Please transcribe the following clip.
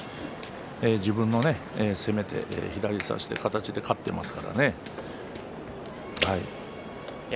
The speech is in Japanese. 自分の攻め左差し自分の攻めで勝っていますからね。